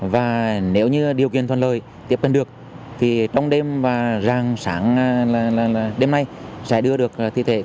và nếu như điều kiện thuận lợi tiếp cận được thì trong đêm và ràng sáng đêm nay sẽ đưa được thi thể